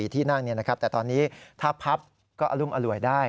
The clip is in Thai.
แต่ตอนนี้ถ้าพับก็อารุมอร่วยได้